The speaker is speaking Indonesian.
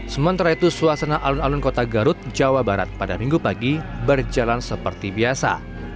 sementara itu suasana alun alun kota garut jawa barat pada minggu pagi berjalan seperti biasa